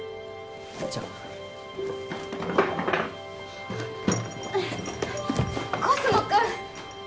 じゃあコスモくん！